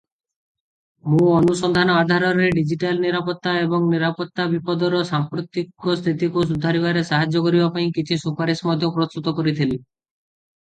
ମୁଁ ଅନୁସନ୍ଧାନ ଆଧାରରେ ଡିଜିଟାଲ ନିରାପତ୍ତା ଏବଂ ନିରାପତ୍ତା ବିପଦର ସାମ୍ପ୍ରତିକ ସ୍ଥିତିକୁ ସୁଧାରିବାରେ ସାହାଯ୍ୟ କରିବା ପାଇଁ କିଛି ସୁପାରିସ ମଧ୍ୟ ପ୍ରସ୍ତୁତ କରିଥିଲି ।